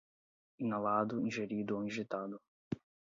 inalado, ingerido ou injetado